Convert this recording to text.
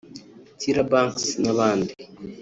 Tyra Banks n’abandi